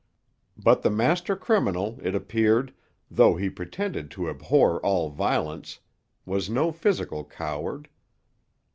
But the master criminal, it appeared, though he pretended to abhor all violence, was no physical coward.